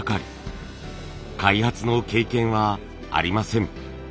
開発の経験はありません。